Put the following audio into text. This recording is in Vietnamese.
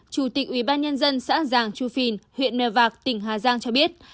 chủ tịch ubnd xã giàng chu phìn huyện mèo vạc tỉnh hà giang cho biết